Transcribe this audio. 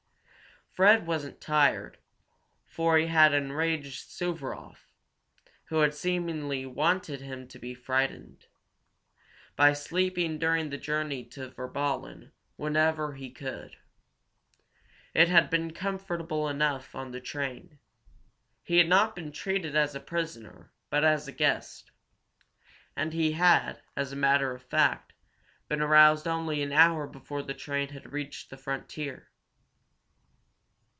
Fred wasn't tired, for he had enraged Suvaroff, who had seemingly wanted him to be frightened, by sleeping during the journey to Virballen whenever he could. It had been comfortable enough on the train; he had not been treated as a prisoner, but as a guest. And he had, as a matter of fact, been aroused only an hour before the train had reached the frontier.